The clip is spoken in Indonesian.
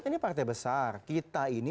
ini partai besar kita ini